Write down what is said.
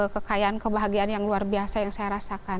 kekayaan kebahagiaan yang luar biasa yang saya rasakan